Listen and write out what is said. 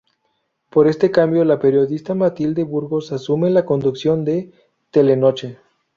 Por este cambio, la periodista Matilde Burgos asume la conducción de "Telenoche".